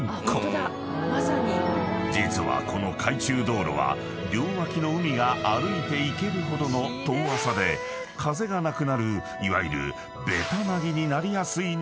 ［実はこの海中道路は両脇の海が歩いて行けるほどの遠浅で風がなくなるいわゆるベタ凪になりやすいのが特徴］